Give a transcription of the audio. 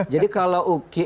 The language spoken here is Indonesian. jadi kalau uki